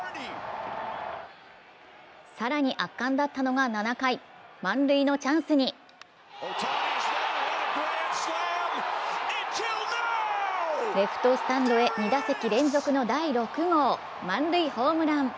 更に圧巻だったのが７回、満塁のチャンスにレフトスタンドへ２打席連続の第６号満塁ホームラン。